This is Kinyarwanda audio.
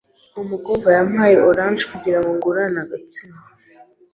Umukobwa yampaye orange kugirango ngurane agatsima.